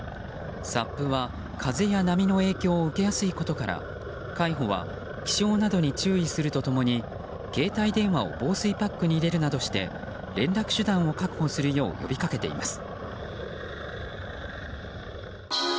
ＳＵＰは風や波の影響を受けやすいことから、海保は気象などに注意すると共に携帯電話を防水パックに入れるなどして連絡手段を確保するよう呼びかけています。